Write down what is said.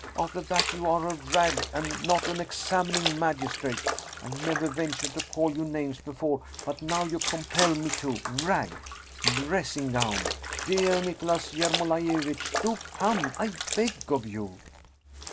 After that you are a rag, and not an examining magistrate ! I never ventured to call you names before, but now you compel me to. Rag ! Dressing gown ! Dear Nicholas Yermolaiyevitch, do come, I beg of you